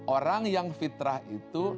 orang yang fitrah itu